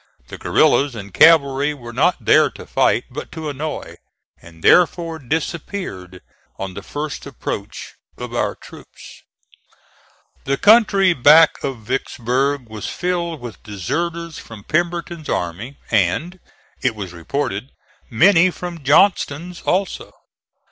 The guerillas and cavalry were not there to fight but to annoy, and therefore disappeared on the first approach of our troops. The country back of Vicksburg was filled with deserters from Pemberton's army and, it was reported, many from Johnston's also.